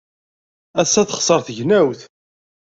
Ass-a, texṣer tegnewt.